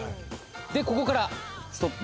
ここから、ストップ。